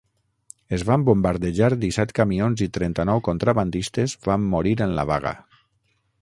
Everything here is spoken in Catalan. Es van bombardejar disset camions i trenta-nou contrabandistes van morir en la vaga.